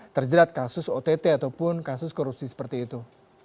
terjerat kasus ott ataupun kasus korupsi seperti itu